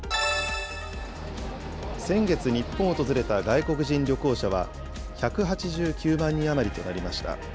先月、日本を訪れた外国人旅行者は、１８９万人余りとなりました。